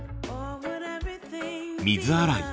水洗い。